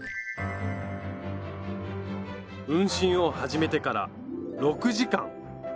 運針を始めてから６時間！